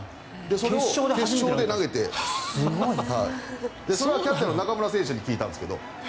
それを初めて決勝で投げてそれはキャッチャーの中村選手に聞いたんですけど。